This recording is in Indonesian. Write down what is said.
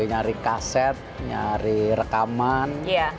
nyari kaset nyari rekaman